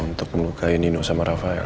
untuk melukai nino sama rafael